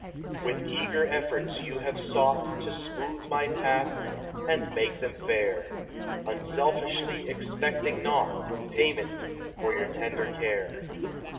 % W ITH eager efforts you Have sougkt To smootk my paths and make them fair, Unselfiskly expect 5 mg naugkt In payment for your tender care.